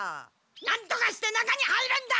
なんとかして中に入るんだ！